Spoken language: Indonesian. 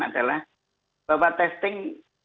adalah bahwa testing